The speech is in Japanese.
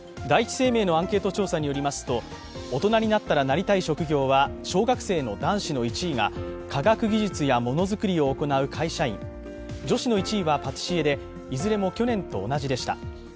第一生命のアンケート調査によりますと大人になったらなりたい職業は小学生の男子の１位が科学技術やものづくりを行う会社員、女子の１位はパティシエでいずれも去年と同じでした。